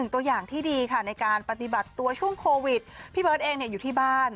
ตัวอย่างที่ดีค่ะในการปฏิบัติตัวช่วงโควิดพี่เบิร์ตเองอยู่ที่บ้าน